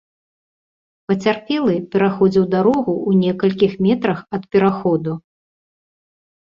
Пацярпелы пераходзіў дарогу ў некалькіх метрах ад пераходу.